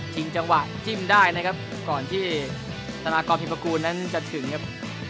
จังหวะจิ้มได้นะครับก่อนที่ธนากรพิมประกูลนั้นจะถึงครับ